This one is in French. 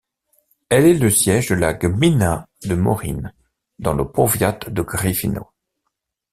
Elle est le siège de la gmina de Moryń, dans le powiat de Gryfino.